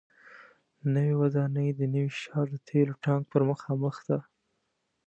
نوې ودانۍ د نوي ښار د تیلو ټانک پر مخامخ ده.